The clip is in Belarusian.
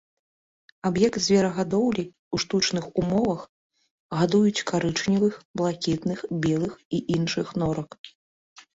Аб'ект зверагадоўлі, у штучных умовах гадуюць карычневых, блакітных, белых і іншых норак.